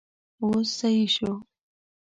اوس سيي شو!